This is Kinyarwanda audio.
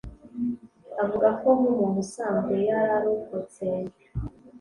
Avuga ko nk'umuntu usanzwe yararokotse